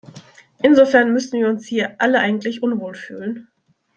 Insofern müssten wir uns hier alle eigentlich unwohl fühlen.